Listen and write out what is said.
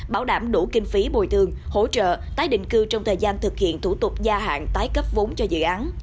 bảo đảm đủ kinh phí bồi thường hỗ trợ tái định cư trong thời gian thực hiện thủ tục gia hạn tái cấp vốn cho dự án